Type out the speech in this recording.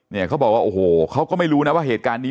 เนี่ยเขาบอกว่าโอ้โหเขาก็ไม่รู้นะว่าเหตุการณ์นี้